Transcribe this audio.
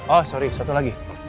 oh sorry satu lagi